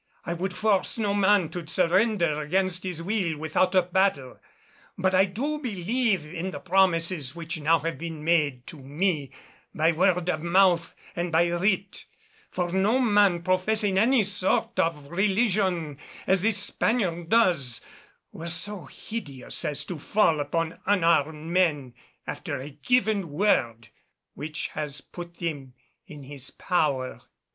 I would force no man to surrender against his will without a battle; but I do believe in the promises which now have been made to me by word of mouth and by writ. For no man professing any sort of religion, as this Spaniard does, were so hideous as to fall upon unarmed men after a given word which has put them in his power."